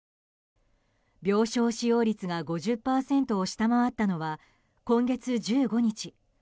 病床使用率が５０％を下回ったのは今月１５日。